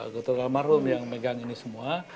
ketua almarhum yang megang ini semua